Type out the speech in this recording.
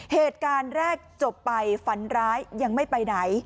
เหตุการณ์แรกจบไปฝันร้ายยังไม่ไปไหน